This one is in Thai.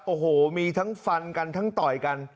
โอ้โหมีทั้งฟันกันทั้งต่อยกัน